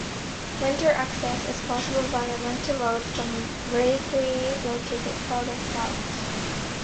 Winter access is possible via a winter road from Wrigley located further south.